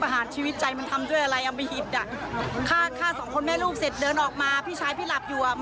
นี่แหละค่ะ